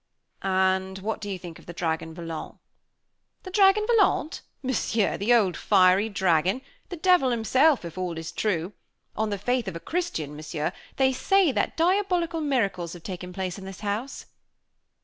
"And what do you think of the Dragon Volant?" "The Dragon Volant! Monsieur; the old fiery dragon! The devil himself, if all is true! On the faith of a Christian, Monsieur, they say that diabolical miracles have taken place in this house."